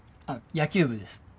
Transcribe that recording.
あっ野球部です。